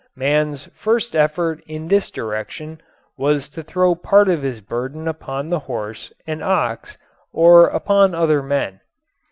Man's first effort in this direction was to throw part of his burden upon the horse and ox or upon other men.